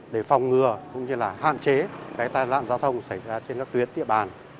để phòng ngừa cũng như là hạn chế tai nạn giao thông xảy ra trên các tuyến địa bàn